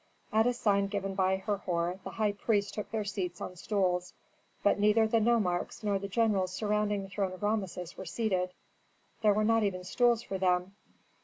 At a sign given by Herhor the high priests took their seats on stools. But neither the nomarchs nor the generals surrounding the throne of Rameses were seated; there were not even stools for them.